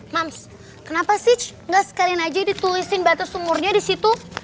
mams kenapa sih enggak sekalian aja ditulisin batas sumurnya di situ